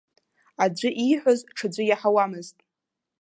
Аӡәы ииҳәоз ҽаӡәы иаҳауамызт.